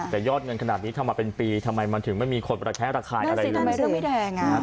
แต่ยอดเงินขนาดนี้ทำมาเป็นปีทำไมมันถึงไม่มีคนแพ้ระคายอะไรเลย